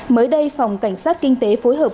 mới đây phòng cảnh sát kinh tế phối hợp